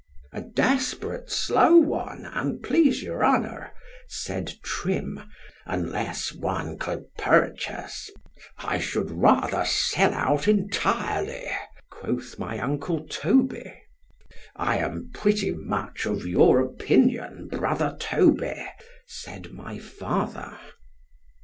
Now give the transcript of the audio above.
——A desperate slow one, an' please your honour, said Trim, unless one could purchase——I should rather sell out entirely, quoth my uncle Toby——I am pretty much of your opinion, brother Toby, said my father.